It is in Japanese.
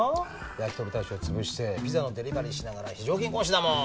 やきとり大将潰してピザのデリバリーしながら非常勤講師だもん。